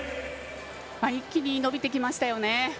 一気に伸びてきましたよね。